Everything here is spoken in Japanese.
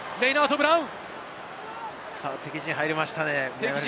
敵陣に入りましたね。